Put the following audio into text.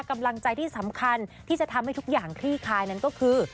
กำลังใจที่สำคัญที่จะทำให้ทุกอย่างคลี่คลายนั้นก็คือ